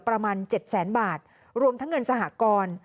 ประมาณ๗๐๐๐๐๐บาทรวมทั้งเงินสหกรณ์